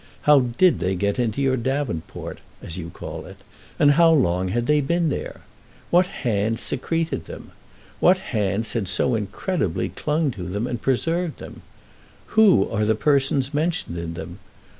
How did they get into your davenport, as you call it, and how long had they been there? What hands secreted them? what hands had, so incredibly, clung to them and preserved them? Who are the persons mentioned in them?